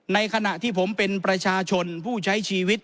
ในขณะที่ผมเป็นประชาชนผู้ใช้ชีวิต